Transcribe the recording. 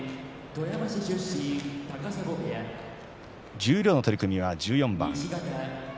十両の取組は１４番。